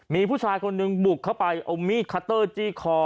มีผู้ชายคนหนึ่งบุกเข้าไปเอามีดคัตเตอร์จี้คอ